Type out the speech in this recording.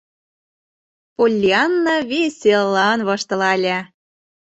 Поллианна веселан воштылале: